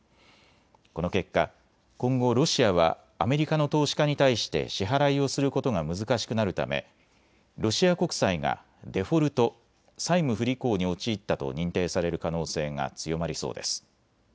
この結果、今後、ロシアはアメリカの投資家に対して支払いをすることが難しくなるためロシア国債がデフォルト・債務不履行に陥ったと認定される可能性が強まりそうです。